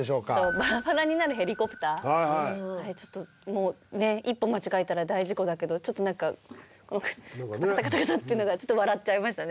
バラバラになるヘリコプターはいはいあれちょっともうね一歩間違えたら大事故だけどちょっと何かカタカタカタッていうのが笑っちゃいましたね